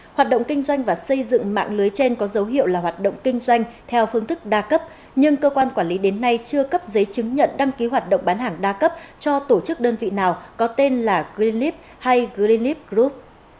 hoạt động kinh doanh và xây dựng mạng lưới trên có dấu hiệu là hoạt động kinh doanh theo phương thức đa cấp nhưng cơ quan quản lý đến nay chưa cấp giấy chứng nhận đăng ký hoạt động bán hàng đa cấp cho tổ chức đơn vị nào có tên là greenleap hay grelip group